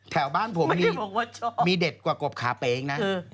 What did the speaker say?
แถวบ้านผมนี่มีเด็ดกว่ากบขาเป๋งนะ